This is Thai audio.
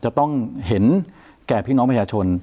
จะต้องเห็นแก่พี่น้องเจ้าอาวาฬ